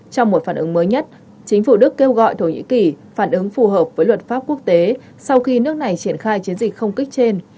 trong một phản ứng mới nhất chính phủ đức kêu gọi thổ nhĩ kỳ phản ứng phù hợp với luật pháp quốc tế sau khi nước này triển khai chiến dịch không kích trên